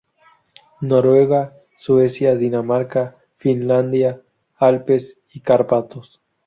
Noruega, Suecia, Dinamarca, Finlandia, Alpes y Cárpatos.